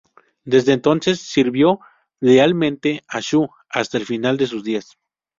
Desde entonces sirvió lealmente a Shu hasta el final de sus días.